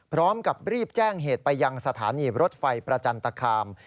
พร้อมกับรีบแจ้งเหตุไปยังสถานีรถไฟประจันตคาม